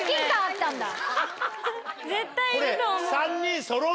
絶対いると思う。